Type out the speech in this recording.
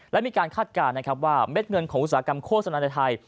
และมีการคาดการณ์นะครับว่าเม็ดเงินของอุตสาหกรรมโฆษณาในไทย